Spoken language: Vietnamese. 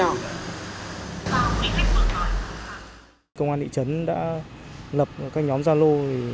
công an thị trấn đã lập các nhóm gia lô